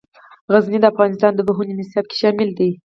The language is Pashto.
غزني د افغانستان د پوهنې نصاب کې شامل دي.